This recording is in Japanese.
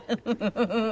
フフフフ！